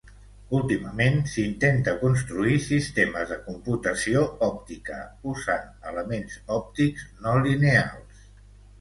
Últimament s'intenta construir sistemes de computació òptica, usant elements òptics no lineals.